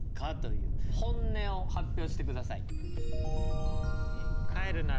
本音を発表してください。